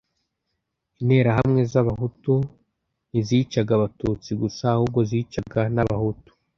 interahamwe z abahutu ntizicaga abatutsi gusa ahubwo zicaga n abahutu